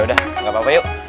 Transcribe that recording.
yaudah gapapa yuk